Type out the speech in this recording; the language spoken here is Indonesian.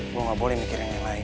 gue gak boleh mikirin yang lain